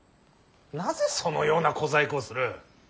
なぜそのような小細工をする。